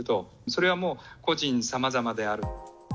それはもう個人さまざまである。